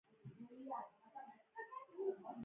اوس هم ډېر وګړي د کتاب په ارزښت نه پوهیږي.